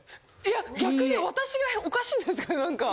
いや逆に私がおかしいんですか？